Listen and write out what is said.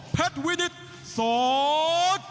เพชรวินิตสอง